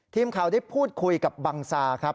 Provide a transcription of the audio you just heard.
ทีมข่าวได้พูดคุยกับบังซาครับ